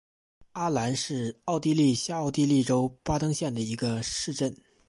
阿兰是奥地利下奥地利州巴登县的一个市镇。